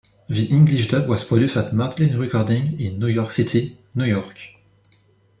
The English dub was produced at Matlin Recording in New York City, New York.